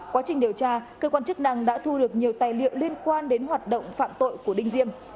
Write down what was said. quá trình điều tra cơ quan chức năng đã thu được nhiều tài liệu liên quan đến hoạt động phạm tội của đinh diêm